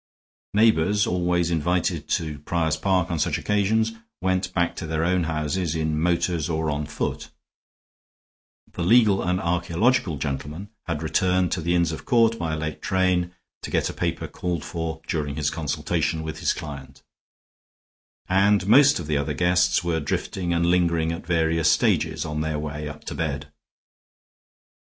Neighbors, always invited to Prior's Park on such occasions, went back to their own houses in motors or on foot; the legal and archeological gentleman had returned to the Inns of Court by a late train, to get a paper called for during his consultation with his client; and most of the other guests were drifting and lingering at various stages on their way up to bed.